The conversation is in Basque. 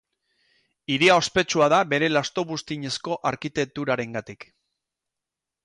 Hiria ospetsua da bere lasto-buztinezko arkitekturarengatik.